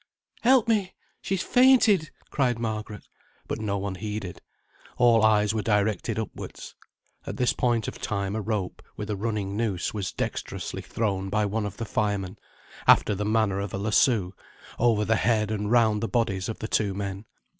"Help me! she's fainted," cried Margaret. But no one heeded. All eyes were directed upwards. At this point of time a rope, with a running noose, was dexterously thrown by one of the firemen, after the manner of a lasso, over the head and round the bodies of the two men.